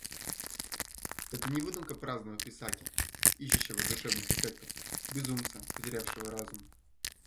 Это не выдумка праздного писаки, ищущего дешевых эффектов, безумца, потерявшего разум.